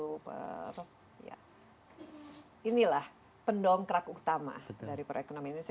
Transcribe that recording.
dan juga ini lah pendongkrak utama dari perekonomian indonesia